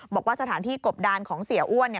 บอกว่าสถานที่กบดานของเสียอ้วน